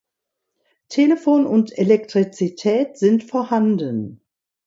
Telefon und Elektrizität sind vorhanden.